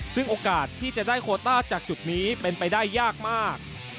ซึ่งโอกาสที่จะได้โคต้าจากจุดนี้เป็นไปได้ยากมาก